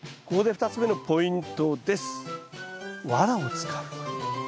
２つ目のポイント